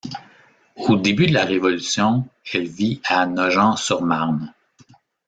Au début de la Révolution, elle vit à Nogent-sur-Marne.